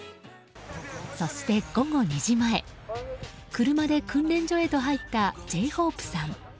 そして午後２時前車で訓練所へと入ったＪ‐ＨＯＰＥさん。